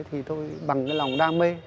thì thôi bằng cái lòng đam mê